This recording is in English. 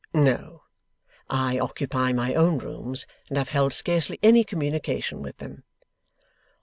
'No. I occupy my own rooms, and have held scarcely any communication with them.